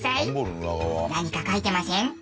何か書いてません？